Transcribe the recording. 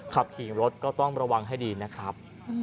ขับขี่รถก็ต้องระวังให้ดีนะครับ